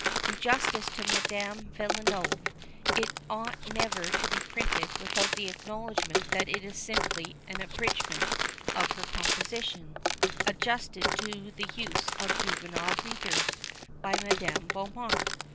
In justice to Madame de Villeneuve, it ought never to be printed without the acknowledgment that it is simply an abridgment of her composition, adapted to the use of juvenile readers, by Madame de Beaumont.